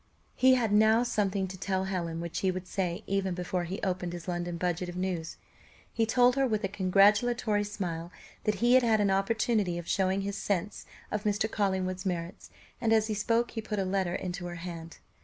He had now something to tell Helen, which he would say even before he opened his London budget of news. He told her, with a congratulatory smile, that he had had an opportunity of showing his sense of Mr. Collingwood's merits; and as he spoke he put a letter into her hand.